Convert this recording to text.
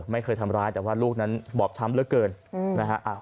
ไม่เคยทำร้ายแต่ว่าลูกนั้นบอกทำแล้วเกินนะครับ